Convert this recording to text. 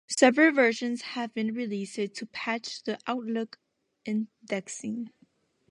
Several versions have been released to patch the Outlook indexing.